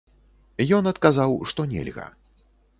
Ён адказаў, што нельга.